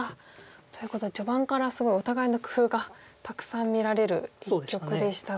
ということで序盤からすごいお互いの工夫がたくさん見られる一局でしたが。